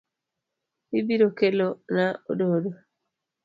Ibiro Kelona ododo.